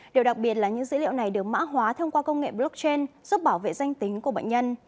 điều đặc biệt là những dữ liệu này được mã hóa thông qua công nghệ blockchain giúp bảo vệ danh tính của bệnh nhân